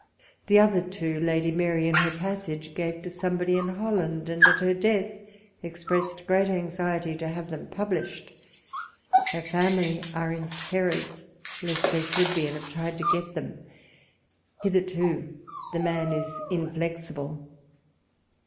The other two Lady Marj' in her passage gave to somebody in Holland, and at her death expressed great anxiety to have them published. Her family are in terrors lest they should be, and have tried to get them : hitherto the man is inflexible.